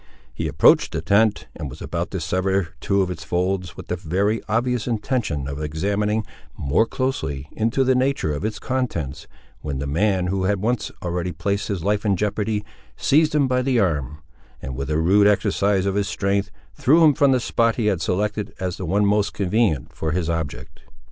He approached the tent, and was about to sever two of its folds, with the very obvious intention of examining, more closely, into the nature of its contents, when the man who had once already placed his life in jeopardy, seized him by the arm, and with a rude exercise of his strength threw him from the spot he had selected as the one most convenient for his object.